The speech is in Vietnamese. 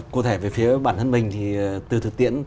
cụ thể về phía bản thân mình thì từ thực tiễn